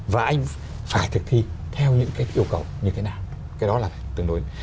và anh phải thực thi theo những cái yêu cầu như thế nào cái đó là tương đối